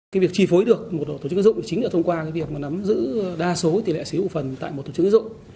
cái việc tri phối được một tổ chức tiến dụng chính là thông qua cái việc mà nắm giữ đa số tỷ lệ sở hữu phần tại một tổ chức tiến dụng